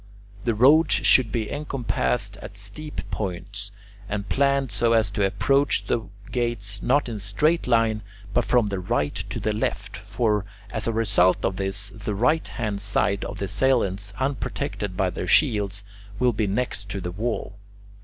The roads should be encompassed at steep points, and planned so as to approach the gates, not in a straight line, but from the right to the left; for as a result of this, the right hand side of the assailants, unprotected by their shields, will be next the wall.